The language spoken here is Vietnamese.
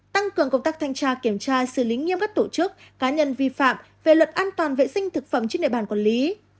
tăng cường công tác thanh tra kiểm tra xử lý nghiêm các tổ chức cá nhân vi phạm về luật an toàn vệ sinh thực phẩm trên địa bàn quản lý